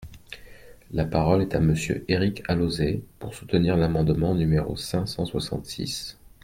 La parole est à Monsieur Éric Alauzet, pour soutenir l’amendement numéro cinq cent soixante-six.